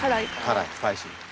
辛いスパイシー。